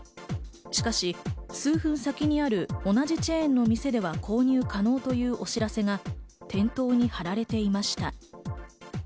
しかし数分先にある同じチェーンの店では購入可能というお知らせが店頭に貼られていました。